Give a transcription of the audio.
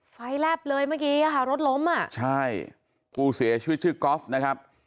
ไฟรับเลยเมื่อกี้ฮะรถล้มอ่ะใช่กู้เสียชื่อชื่อกอล์ฟนะครับ